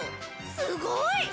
すごい！